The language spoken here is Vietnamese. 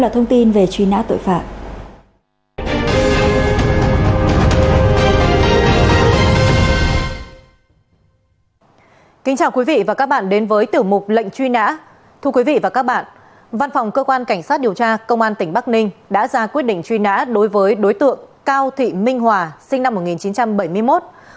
tiếp theo là thông tin về truy nã tội phạm